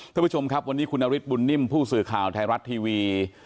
ท่านผู้ชมครับวันนี้คุณนฤทธบุญนิ่มผู้สื่อข่าวไทยรัฐทีวี